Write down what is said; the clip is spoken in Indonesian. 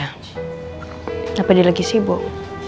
kenapa dia lagi sibuk